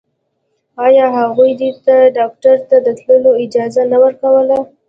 آيا هغوی دې ته ډاکتر ته د تلو اجازه نه ورکوله.